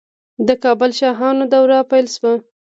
د کابل شاهانو دوره پیل شوه